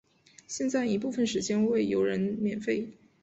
现在已部分时间对游人免费。